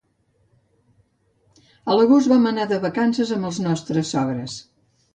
A l'agost vam anar de vacances amb els nostres sogres.